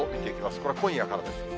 これ、今夜からです。